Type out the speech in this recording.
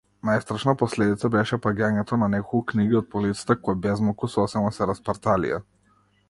Најстрашна последица беше паѓањето на неколку книги од полицата кои безмалку сосема се распарталија.